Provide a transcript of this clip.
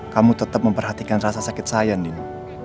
kamu tetap memperhatikan rasa sakit saya nino